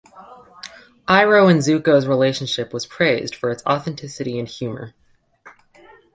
Iroh and Zuko's relationship was praised for its authenticity and humor.